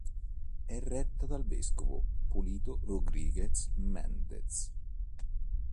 È retta dal vescovo Polito Rodríguez Méndez.